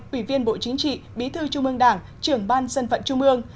ủy viên bộ chính trị bí thư trung mương đảng trưởng ban dân phận trung mương